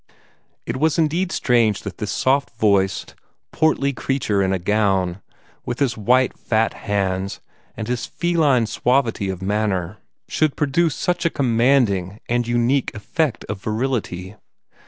It was indeed strange that this soft voiced, portly creature in a gown, with his white, fat hands and his feline suavity of manner, should produce such a commanding and unique effect of virility.